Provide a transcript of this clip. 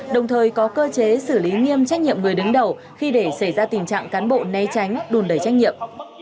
đồng thời có cơ chế xử lý nghiêm trách nhiệm người đứng đầu khi để xảy ra tình trạng cán bộ né tránh đùn đẩy trách nhiệm